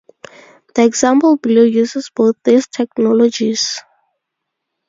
The example below uses both these technologies.